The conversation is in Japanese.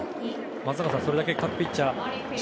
松坂さん、それだけ各ピッチャー